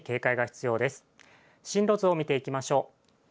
進路図を見ていきましょう。